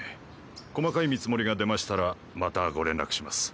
細かい見積もりが出ましたらまたご連絡します。